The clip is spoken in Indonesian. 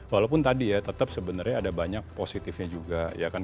walaupun tadi ya tetap sebenarnya ada banyak positifnya juga ya kan